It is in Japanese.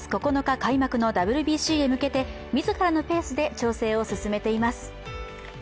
開幕のＷＢＣへ向けて、自らのペースで調整を進めています。